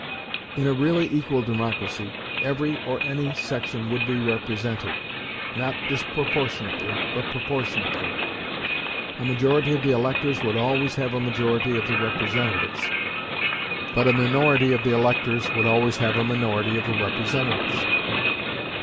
In a really equal democracy, every or any section would be represented, not disproportionately, but proportionately. A majority of the electors would always have a majority of the representatives, but a minority of the electors would always have a minority of the representatives.